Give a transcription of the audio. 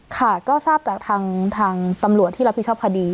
ค่ะก็ทราบจากทางตำรวจที่รับผิดชอบคดี